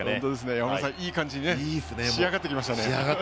山村さんいい感じに仕上がってきましたね。